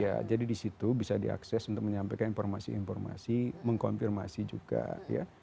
ya jadi di situ bisa diakses untuk menyampaikan informasi informasi mengkonfirmasi juga ya